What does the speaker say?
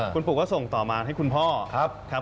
คุณปู่ก็ส่งต่อมาให้คุณพ่อครับ